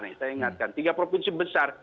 saya ingatkan tiga provinsi besar